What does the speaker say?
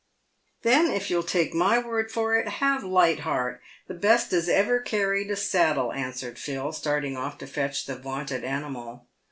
" Then, if you'll take my word for it, have Light Heart, the best as ever carried a saddle," answered Phil, starting off to fetch the vaunted animal.